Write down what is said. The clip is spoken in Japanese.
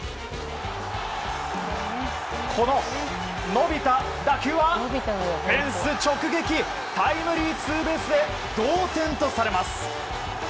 この伸びた打球はフェンス直撃タイムリーツーベースで同点とされます。